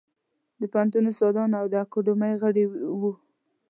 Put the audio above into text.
د پوهنتون استادان او د اکاډمۍ غړي وو.